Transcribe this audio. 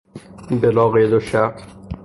بلاقید وشرط